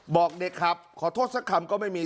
บอกเด็กครับขอโทษสักคำก็ไม่มี